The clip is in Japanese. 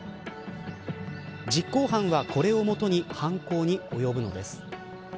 実行犯はこれをもとに犯行に及ぶのです。